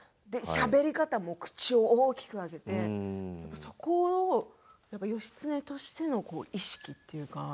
しゃべり方も口を大きく開けてそこは義経としての意識というか。